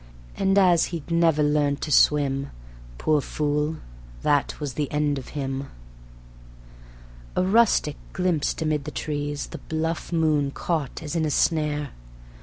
And as he'd never learnt to swim, Poor fool! that was the end of him. A rustic glimpsed amid the trees The bluff moon caught as in a snare.